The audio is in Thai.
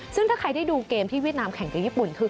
ซึ่งถ้าใครได้ดูเกมที่เวียดนามแข่งกับญี่ปุ่นคือ